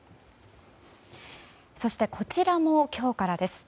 そしてこちらも今日からです。